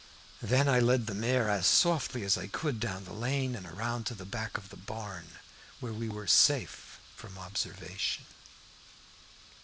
Then I led the mare as softly as I could down the lane, and around to the back of the barn, where we were safe from observation.